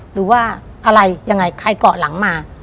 หรือว่าอะไรยังไงใครเกาะหลังมา